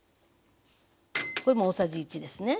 これも大さじ１ですね。